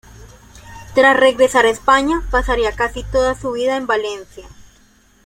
Tras regresar a España, pasaría casi toda su vida en Valencia.